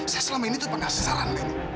saya selama ini tuh pengasas saran lain